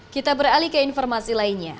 kita beralih ke informasi lainnya